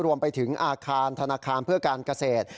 รวมไปถึงอาคารธนาคารเพื่อการเกษตร